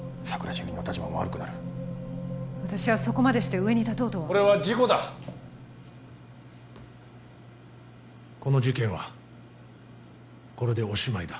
主任の立場も悪くなる私はそこまでして上に立とうとはこれは事故だこの事件はこれでおしまいだ